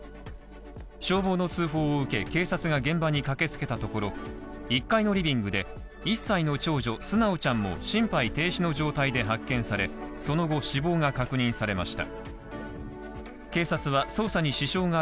消防の通報を受け警察が現場に駆け付けたところ、１階のリビングで、１歳の長女、純ちゃんも、心肺停止の状態で発見され、その後死亡が確認されました。